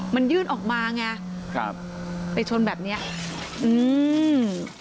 มันยื่นออกมาไงครับไปชนแบบเนี้ยอืม